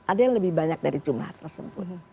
ada yang lebih banyak dari jumlah tersebut